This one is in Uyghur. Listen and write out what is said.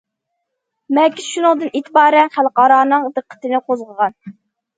‹‹ مەكىت›› شۇنىڭدىن ئېتىبارەن خەلقئارانىڭ دىققىتىنى قوزغىغان.